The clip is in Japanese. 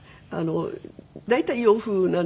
大体洋風なんですけどね。